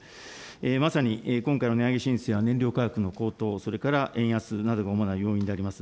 まさに今回の値上げ申請は燃料価格の高騰、それから円安などが主な要因であります。